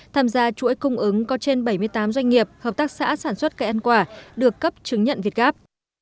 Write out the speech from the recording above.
tham gia chuỗi cung ứng có trên bảy mươi tám doanh nghiệp hợp tác xã sản xuất cây ăn quả được cấp chứng nhận việt gáp